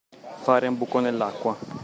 Fare un buco nell'acqua.